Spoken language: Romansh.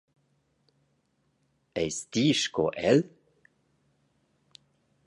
Eis ti sco el?